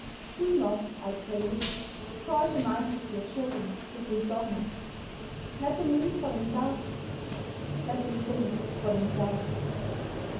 Do not, I pray you, soil the minds of your children with this dogma. Let them read for themselves; let them think for themselves.